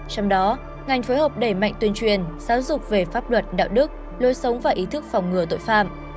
trong đó ngành phối hợp đẩy mạnh tuyên truyền giáo dục về pháp luật đạo đức lối sống và ý thức phòng ngừa tội phạm